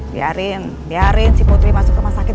biarin biarin si putri masuk ke rumah sakit